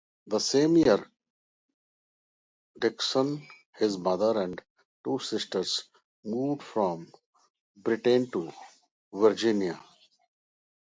That same year Dickson, his mother, and two sisters moved from Britain to Virginia.